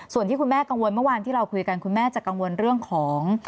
ส่วนที่คุณแม่กังวลเมื่อวานที่เราคุยกันคุณแม่จะกังวลเรื่องของ